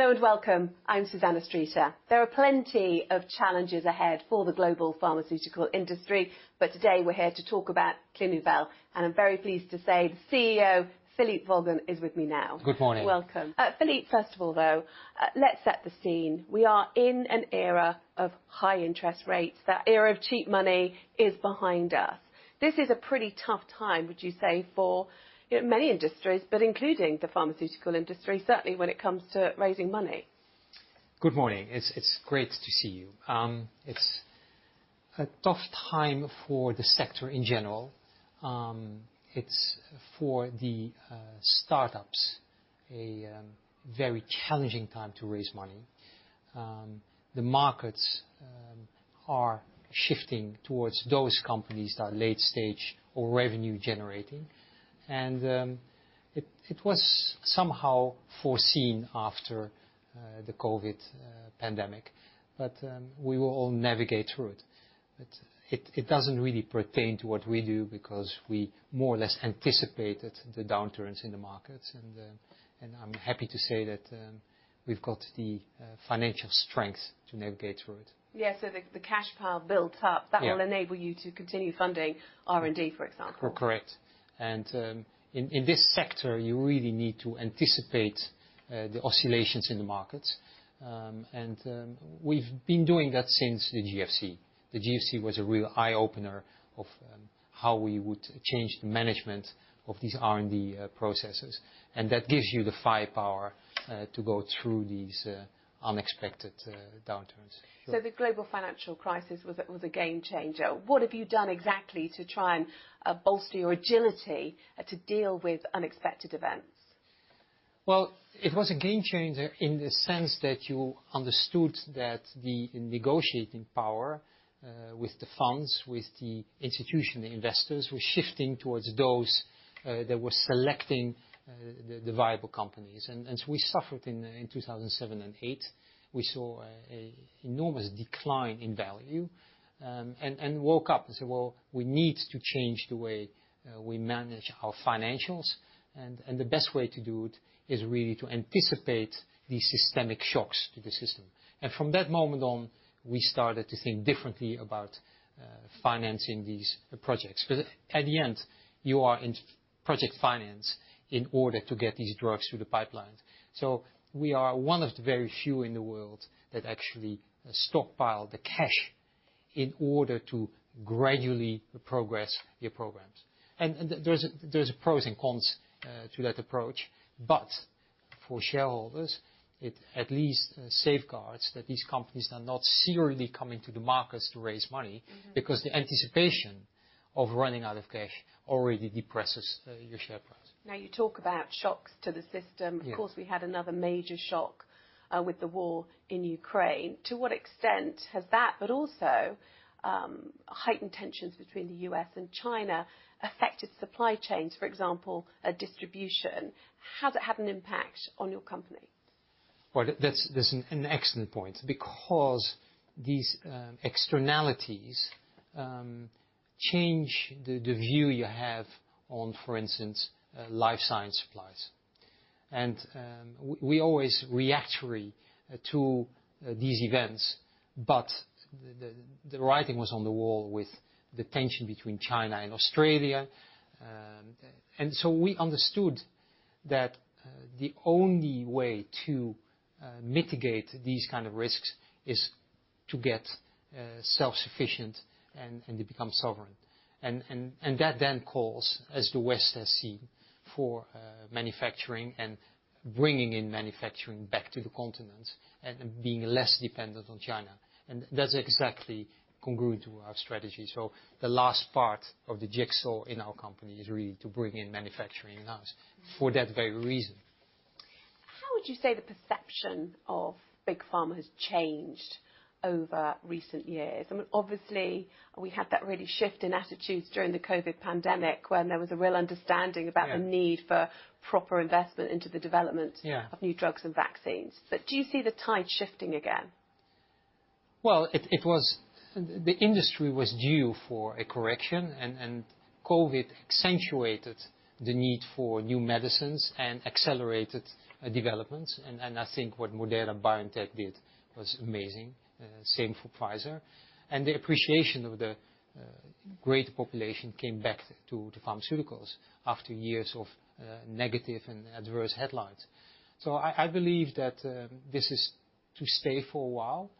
Hello and welcome. I'm Susannah Streeter. There are plenty of challenges ahead for the Global Pharmaceutical Industry, but today we're here to talk about Clinuvel. I'm very pleased to say the CEO, Philippe Wolgen, is with me now. Good morning. Welcome. Philippe, first of all, though, let's set the scene. We are in an era of high interest rates. That era of cheap money is behind us. This is a pretty tough time, would you say, for, you know, many industries, but including the pharmaceutical industry, certainly when it comes to raising money. Good morning. It's great to see you. It's a tough time for the sector in general. It's for the startups a very challenging time to raise money. The markets are shifting towards those companies that are late stage or revenue generating. It was somehow foreseen after the COVID pandemic, but we will all navigate through it. But it doesn't really pertain to what we do because we more or less anticipated the downturns in the markets. I'm happy to say that we've got the financial strength to navigate through it. Yes, so the cash pile built up- Yeah. - that will enable you to continue funding R&D, for example. Correct. And, in this sector, you really need to anticipate the oscillations in the market. And, we've been doing that since the GFC. The GFC was a real eye-opener of how we would change the management of these R&D processes, and that gives you the firepower to go through these unexpected downturns. So the Global Financial Crisis was a game changer. What have you done exactly to try and bolster your agility to deal with unexpected events? Well, it was a game changer in the sense that you understood that the negotiating power with the funds, with the institutional investors, was shifting towards those that were selecting the viable companies. And so we suffered in 2007 and 2008. We saw an enormous decline in value and woke up and said: Well, we need to change the way we manage our financials, and the best way to do it is really to anticipate the systemic shocks to the system. And from that moment on, we started to think differently about financing these projects. Because at the end, you are in project finance in order to get these drugs through the pipeline. So we are one of the very few in the world that actually stockpile the cash in order to gradually progress your programs. And there's pros and cons to that approach, but for shareholders, it at least safeguards that these companies are not seriously coming to the markets to raise money. Mm-hmm. Because the anticipation of running out of cash already depresses your share price. Now, you talk about shocks to the system. Yeah. Of course, we had another major shock with the war in Ukraine. To what extent has that, but also, heightened tensions between the U.S. and China, affected supply chains, for example, distribution? Has it had an impact on your company? Well, that's an excellent point because these externalities change the view you have on, for instance, life science supplies. And we always react to these events, but the writing was on the wall with the tension between China and Australia. And so we understood that the only way to mitigate these kind of risks is to get self-sufficient and to become sovereign. And that then calls, as the West has seen, for manufacturing and bringing in manufacturing back to the continent and being less dependent on China. And that's exactly congruent to our strategy. So the last part of the jigsaw in our company is really to bring in manufacturing in-house for that very reason. How would you say the perception of Big Pharma has changed over recent years? I mean, obviously, we had that really shift in attitudes during the COVID pandemic, when there was a real understanding- Yeah. - about the need for proper investment into the development- Yeah. - of new drugs and vaccines. But do you see the tide shifting again? Well, it was the industry was due for a correction, and COVID accentuated the need for new medicines and accelerated developments. And I think what Moderna, BioNTech did was amazing. Same for Pfizer, and the appreciation of the greater population came back to pharmaceuticals after years of negative and adverse headlines. So I believe that this is to stay for a while,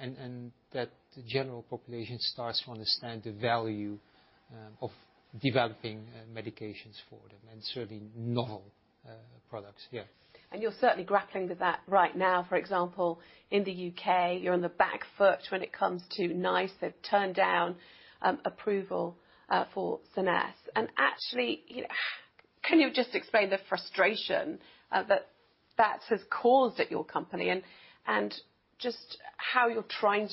and that the general population starts to understand the value of developing medications for them and serving novel products, yeah. And you're certainly grappling with that right now. For example, in the U.K., you're on the back foot when it comes to NICE have turned down approval for SCENESSE®. And actually, can you just explain the frustration that that has caused at your company and just how you're trying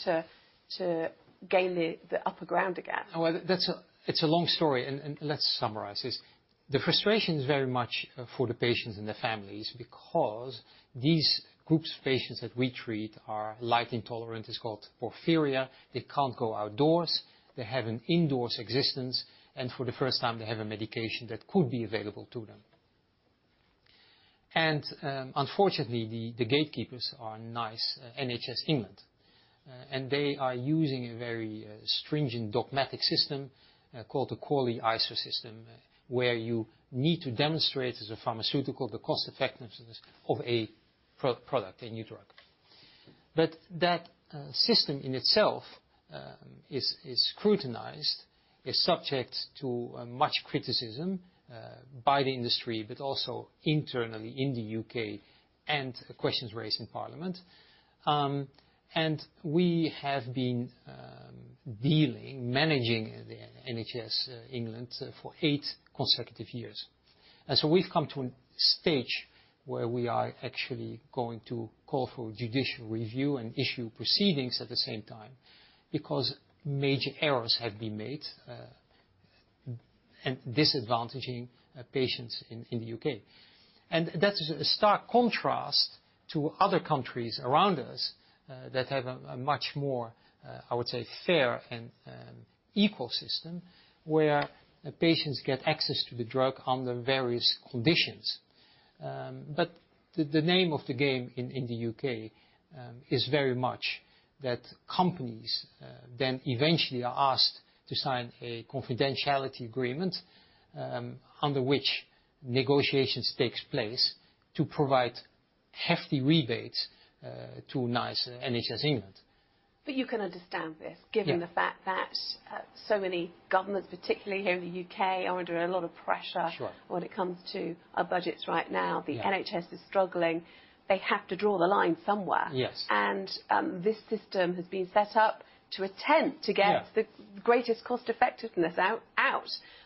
to gain the upper ground again? Well, that's a long story, and let's summarize this. The frustration is very much for the patients and the families, because these groups of patients that we treat are light intolerant. It's called porphyria. They can't go outdoors. They have an indoors existence, and for the first time, they have a medication that could be available to them. And, unfortunately, the gatekeepers are NICE, NHS England. And they are using a very stringent dogmatic system called the QALY-ICER system, where you need to demonstrate as a pharmaceutical, the cost-effectiveness of a product, a new drug. But that system in itself is scrutinized, is subject to much criticism by the industry, but also internally in the U.K., and questions raised in Parliament. We have been dealing, managing the NHS England for eight consecutive years. So we've come to a stage where we are actually going to call for judicial review and issue proceedings at the same time, because major errors have been made, and disadvantaging patients in the U.K. That is a stark contrast to other countries around us that have a much more, I would say, fair and equal system, where the patients get access to the drug under various conditions. The name of the game in the U.K. is very much that companies then eventually are asked to sign a confidentiality agreement, under which negotiations takes place to provide hefty rebates to NICE, NHS England. But you can understand this- Yeah. - given the fact that so many governments, particularly here in the U.K., are under a lot of pressure- Sure. When it comes to our budgets right now. Yeah. The NHS is struggling. They have to draw the line somewhere. Yes. And, this system has been set up to attempt- Yeah. - to get the greatest cost effectiveness out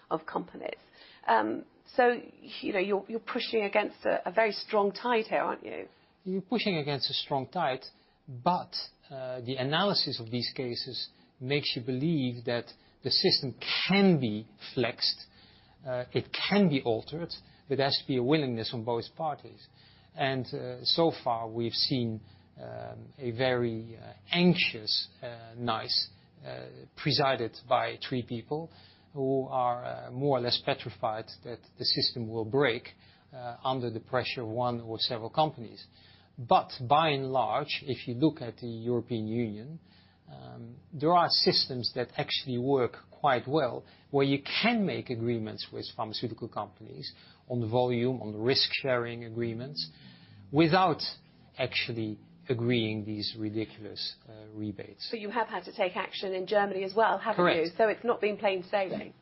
of companies. So, you know, you're pushing against a very strong tide here, aren't you? You're pushing against a strong tide, but, the analysis of these cases makes you believe that the system can be flexed, it can be altered. There has to be a willingness on both parties. So far, we've seen a very anxious NICE, presided by three people who are more or less petrified that the system will break under the pressure of one or several companies. But by and large, if you look at the European Union, there are systems that actually work quite well, where you can make agreements with pharmaceutical companies on volume, on risk-sharing agreements, without actually agreeing these ridiculous rebates. So you have had to take action in Germany as well, haven't you? Correct. It's not been plain sailing.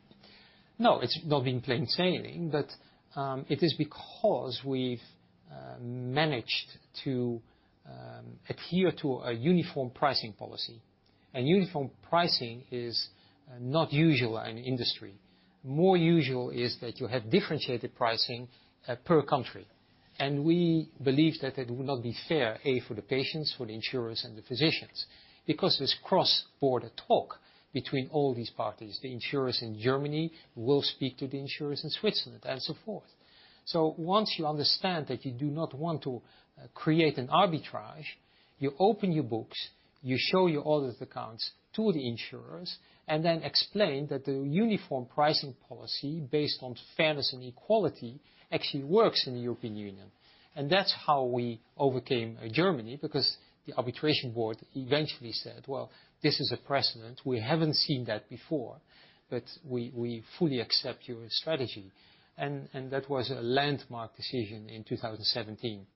No, it's not been plain sailing, but it is because we've managed to adhere to a Uniform Pricing Policy. And uniform pricing is not usual in industry. More usual is that you have differentiated pricing per country, and we believe that it would not be fair for the patients, for the insurers, and the physicians, because there's cross-border talk between all these parties. The insurers in Germany will speak to the insurers in Switzerland, and so forth. So once you understand that you do not want to create an arbitrage, you open your books, you show your audit accounts to the insurers, and then explain that the uniform pricing policy, based on fairness and equality, actually works in the European Union. And that's how we overcame Germany, because the arbitration board eventually said, "Well, this is a precedent. We haven't seen that before, but we fully accept your strategy." That was a landmark decision in 2017.